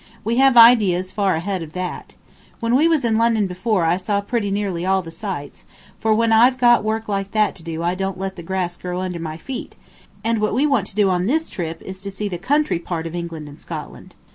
We have ideas far ahead of that. When we was in London before I saw pretty nearly all the sights, for when I've got work like that to do I don't let the grass grow under my feet, and what we want to do on this trip is to see the country part of England and Scotland.